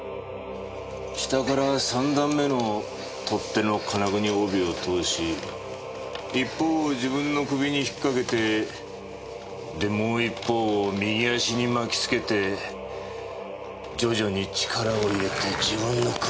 下から３段目の取っ手の金具に帯を通し一方を自分の首に引っ掛けてでもう一方を右足に巻きつけて徐々に力を入れて自分の首を絞め上げた。